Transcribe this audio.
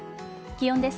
気温です。